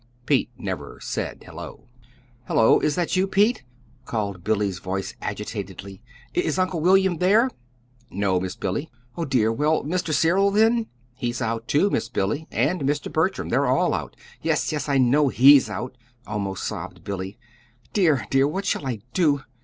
Pete never said "hello." "Hello. Is that you, Pete?" called Billy's voice agitatedly. "Is Uncle William there?" "No, Miss Billy." "Oh dear! Well, Mr. Cyril, then?" "He's out, too, Miss Billy. And Mr. Bertram they're all out." "Yes, yes, I know HE'S out," almost sobbed Billy. "Dear, dear, what shall I do!